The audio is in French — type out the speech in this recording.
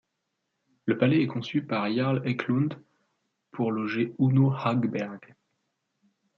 Le palais est conçu par Jarl Eklund pour loger Uno Hagberg.